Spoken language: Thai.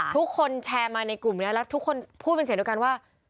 ทุกคนแชร์มาในกลุ่มนี้แล้วทุกคนพูดเป็นเสียงเดียวกันว่า